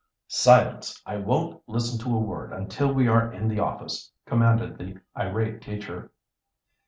"Silence! I won't listen to a word until we are in the office," commanded the irate teacher.